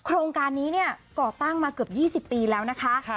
โครงการนี้เนี่ยก่อตั้งมาเกือบ๒๐ปีแล้วนะคะ